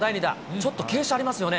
ちょっと傾斜ありますよね。